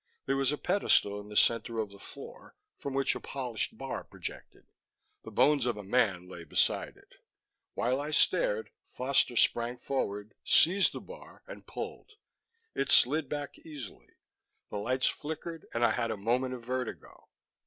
There was a pedestal in the center of the floor, from which a polished bar projected. The bones of a man lay beside it. While I stared, Foster sprang forward, seized the bar, and pulled. It slid back easily. The lights flickered and I had a moment of vertigo.